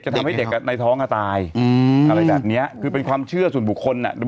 จะทำให้เด็กในท้องก็ตายอะไรแบบเนี้ยคือเป็นความเชื่อส่วนบุคคลเนี้ย